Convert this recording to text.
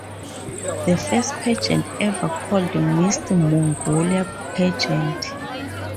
The first pageant ever called Miss Mongolia pageant.